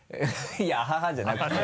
いやあははじゃなくて。